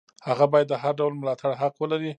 هغه باید د هر ډول ملاتړ حق ولري.